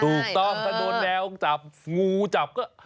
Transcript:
ถูกต้องถ้าโดนแมวจับงูจับก็